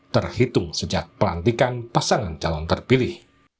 terhitung sejak pelantikan pasangan calon terpilih